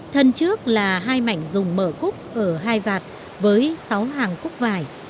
thân trước là hai mảnh dùng mở cúc ở hai vạt với sáu hàng cúc vải